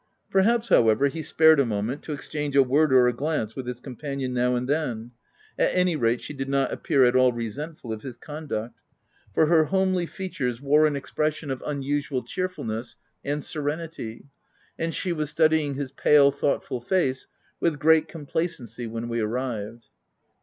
Perhaps, however, he spared a moment to exchange a word or a glance with his companion now and then — at any rate, she did not appear at all resentful of his conduct 5 for her homely features wore an expression of unusual cheerful ness and serenity, and she was studying his 136 THE TENANT pale, thoughtful face with great complacency when we arrived.